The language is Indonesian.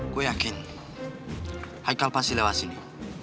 gue yakin hai kal pasti lewat sini